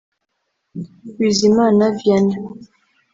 Bizimana Vianney